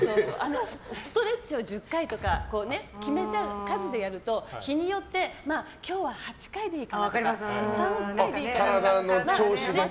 ストレッチを１０回とか決めた数でやると日によって今日は８回でいいかなとか３回でいいかなとか。